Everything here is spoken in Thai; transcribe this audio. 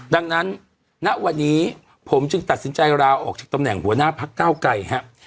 ดังนั้นณวันนี้ผมจึงตัดสินใจลาออกจากตำแหน่งหัวหน้าพักเก้าไกรครับ